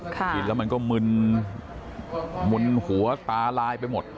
กินแล้วก็หมึนหัวตาลายไปหมด